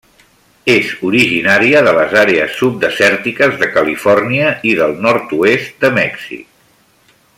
És originària de les àrees subdesèrtiques de Califòrnia i del nord-oest de Mèxic.